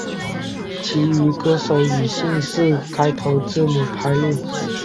其余歌手以姓氏开头字母排列。